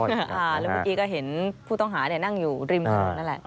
แล้วเมื่อกี้ก็เห็นผู้ต้องหานั่งอยู่ริมถนนนั่นแหละ